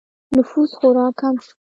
نفوس خورا کم شو